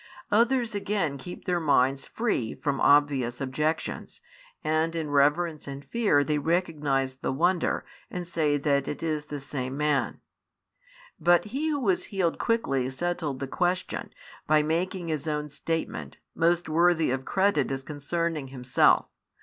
Others again keep their minds free from obvious objections, and in reverence and fear they recognise the wonder, and say that it is the same man. But he who was healed quickly settled the question, by making his own statement, most worthy of credit as concerning himself.